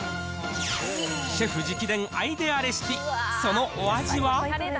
シェフ直伝アイデアレシピ、そのお味は。